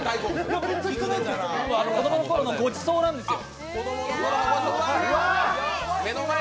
子供のころのごちそうなんですよ。